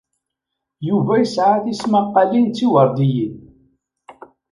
Yuba yesɛa tismaqqalin d tiweṛdiyin.